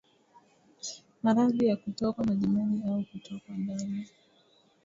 Maradhi ya kutokwa majimaji au kutokwa damu